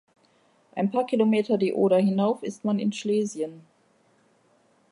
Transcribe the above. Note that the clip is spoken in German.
Ein paar Kilometer die Oder hinauf ist man in Schlesien.